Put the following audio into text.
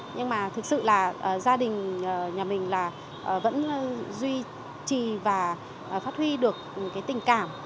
nhưng mà thực sự là gia đình nhà mình là vẫn duy trì và phát huy được cái tình cảm